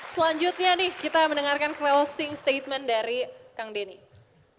selanjutnya nih kita mendengarkan closing statement dari kang denny